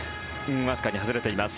わずかに外れています。